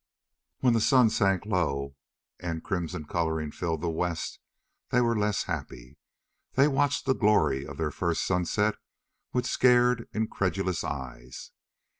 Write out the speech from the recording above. When the sun sank low and crimson colorings filled the west, they were less happy. They watched the glory of their first sunset with scared, incredulous eyes.